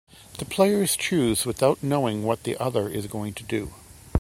The players choose without knowing what the other is going to do.